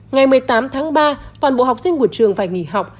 ngày một mươi tám tháng ba toàn bộ học sinh của trường phải nghỉ học